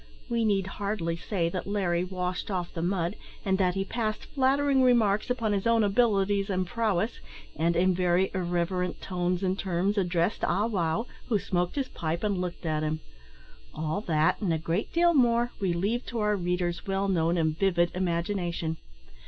We need hardly say that Larry washed off the mud, and that he passed flattering remarks upon his own abilities and prowess, and, in very irreverent tones and terms, addressed Ah wow, who smoked his pipe and looked at him. All that, and a great deal more, we leave to our reader's well known and vivid imagination.